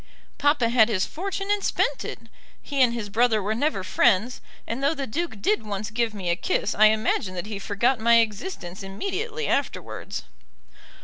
Papa had his fortune and spent it. He and his brother were never friends, and though the Duke did once give me a kiss I imagine that he forgot my existence immediately afterwards."